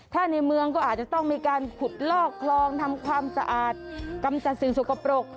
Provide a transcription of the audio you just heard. ถ้าในเมืองก็อาจจะต้องมีการขุดลอกคลองทำความสะอาดกำจัดสิ่งสกปรก